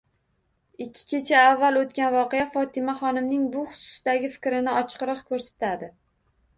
Ikki kecha avval o'tgan voqea Fotimaxonimning bu xususdagi fikrini ochiqroq ko'rsatadi.